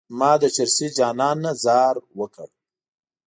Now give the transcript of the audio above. ما د چرسي جانان نه ځار وکړ.